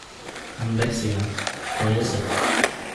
And Bexiga, where is it?